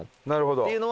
なるほどね。